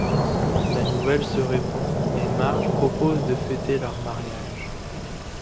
La nouvelle se répand, et Marge propose de fêter leur mariage.